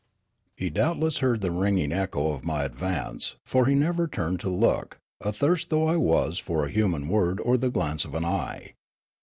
He doubtless heard the ringing echo of ni}' advance, for he never turned to look, athirst though I was for a human word or the glance of an eye.